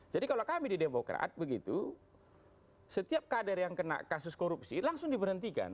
jadi kalau kami di demokrat begitu setiap kader yang kena kasus korupsi langsung diberhentikan